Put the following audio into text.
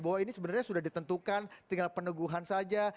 bahwa ini sebenarnya sudah ditentukan tinggal peneguhan saja